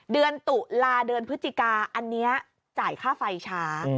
เดือนตุลาเดือนพฤศจิกาอันนี้จ่ายค่าไฟช้า